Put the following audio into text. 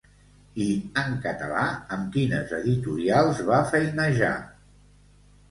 I en català amb quines editorials va feinejar?